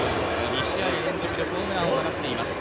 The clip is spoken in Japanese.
２試合連続でホームランを放っています。